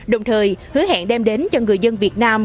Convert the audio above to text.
đồng thời hứa hẹn đem đến cho người dân việt nam